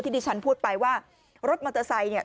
ที่ดิฉันพูดไปว่ารถมันเตอร์ไซค์